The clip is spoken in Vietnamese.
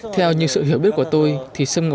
theo những sự hiểu biết của tôi thì tôi sẽ đến tham gia